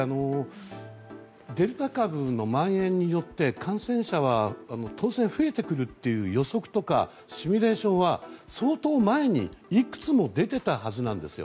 デルタ株のまん延によって感染者は当然増えてくるという予測とか、シミュレーションは相当前にいくつも出てたはずなんですよ。